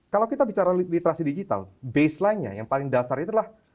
kalau kita bicara literasi digital baseline nya yang paling dasar itu adalah